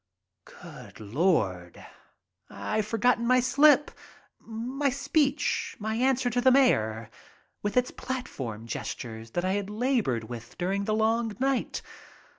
Good Lord! I've forgotten my slip — my speech, my answer to the mayor, with its platform gestures that I had labored with during the long night.